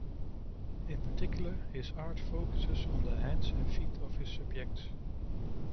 In particular, his art focuses on the hands and feet of his subjects.